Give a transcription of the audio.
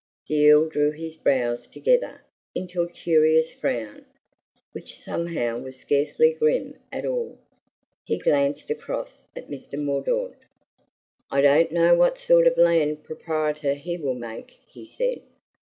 The Earl drew his brows together into a curious frown, which somehow was scarcely grim at all. He glanced across at Mr. Mordaunt. "I don't know what sort of landed proprietor he will make," he said.